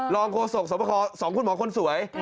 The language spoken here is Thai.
รองโคศกสอบคอ๒คุณหมอคนสวย